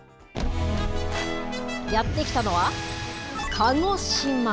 やって来たのは、鹿児島。